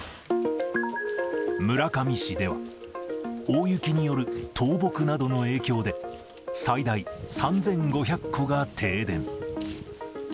村上市では、大雪による倒木などの影響で、最大３５００戸が停電。